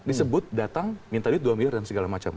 disebut datang minta duit dua miliar dan segala macam